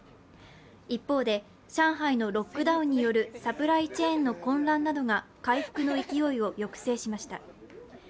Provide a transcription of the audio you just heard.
一方で、上海のロックダウンによるサプライチェーンの混乱などが回復の勢いを抑制しました。